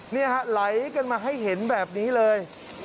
ไหลกันมาให้เห็นแบบนี้เลย